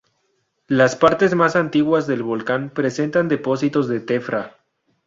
Las partes más antiguas del volcán presentan depósitos de Tefra.